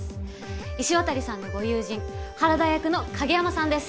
石渡さんのご友人原田役の影山さんです！